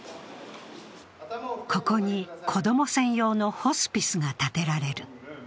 ここに子供専用のホスピスが建てられる。